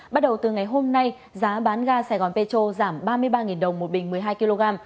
bắt đầu từ ngày hôm nay giá bán ga sài gòn petro giảm ba mươi ba đồng một bình một mươi hai kg